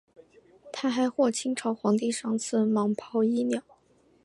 他还获清朝皇帝赏赐蟒袍衣料。